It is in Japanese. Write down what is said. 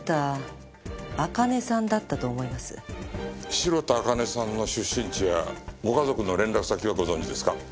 白田朱音さんの出身地やご家族の連絡先はご存じですか？